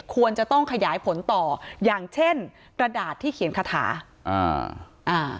ควรจะต้องขยายผลต่ออย่างเช่นกระดาษที่เขียนคาถาอ่าอ่า